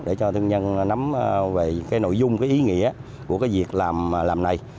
để cho thương nhân nắm về cái nội dung cái ý nghĩa của cái việc làm làm này